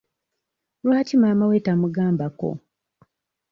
Lwaki maama we tamugambako?